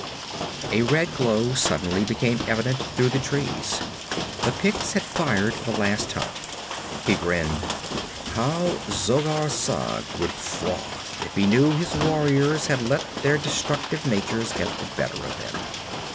A red glow suddenly became evident through the trees. The Picts had fired the last hut. He grinned. How Zogar Sag would froth if he knew his warriors had let their destructive natures get the better of them.